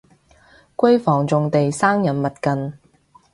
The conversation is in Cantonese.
閨房重地生人勿近